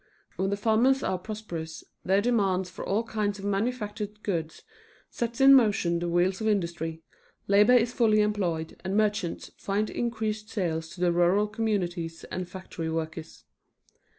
When the farmers are prosperous their demands for all kinds of manufactured goods sets in motion the wheels of industry, labor is fully employed and merchants find increased sales to the rural communities and factory workers.